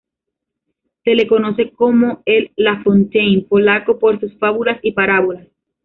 Se le conoce como el La Fontaine polaco por sus fábulas y parábolas.